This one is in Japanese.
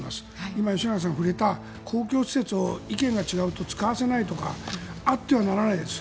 今、吉永さんが触れた公共施設を意見が違うと使わせないとかあってはならないです。